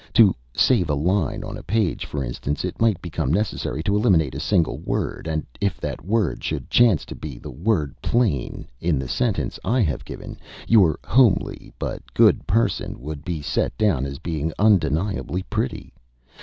To save a line on a page, for instance, it might become necessary to eliminate a single word; and if that word should chance to be the word 'plain' in the sentence I have given, your homely but good person would be set down as being undeniably pretty.